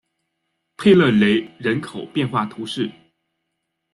佩勒雷人口变化图示